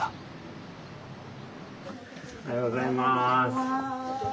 おはようございます。